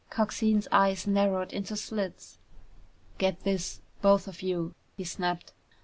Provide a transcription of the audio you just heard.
Coxine's eyes narrowed into slits. "Get this, both of you!" he snapped.